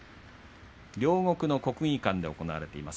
両国の国技館で行われています